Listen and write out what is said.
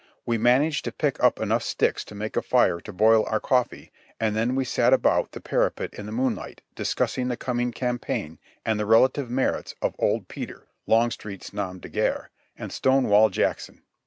We managed to pick up enough sticks to make a fire to boil our coffee, and then we sat about the parapet in the moonlight discussing the coming campaign and the relative merits of "Old Peter" (Longstreet's no7n de guerre) and Stonewall Jackson.